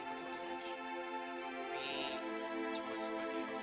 kejadian saya ada tanya tanya nong